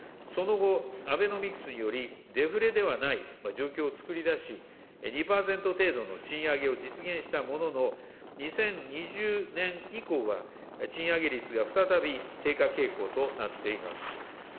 その後、アベノミクスにより、デフレではない状況をつくり出し、２％程度の賃上げを実現したものの、２０２０年以降は賃上げ率が再び低下傾向となっています。